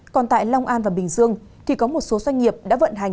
còn tại long an và bình dương thì có một số doanh nghiệp đã vận hành